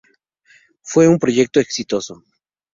Fue un proyecto exitoso.